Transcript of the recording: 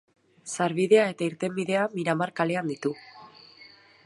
Sarbidea eta irtenbidea Miramar kalean ditu.